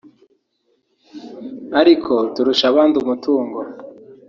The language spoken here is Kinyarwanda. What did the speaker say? aliko turusha abandi umutungo